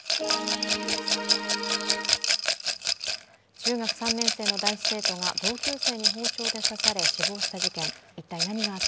中学３年生の男子生徒が同級生に包丁で刺され死亡した事件。